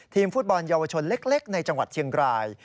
ฟุตบอลเยาวชนเล็กในจังหวัดเชียงราย